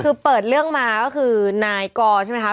คือเปิดเรื่องมาก็คือนายกอใช่ไหมคะ